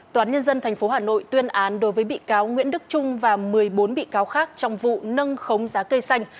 toán nhân dân tp hà nội tuyên án đối với bị cáo nguyễn đức trung và một mươi bốn bị cáo khác trong vụ nâng khống giá cây xanh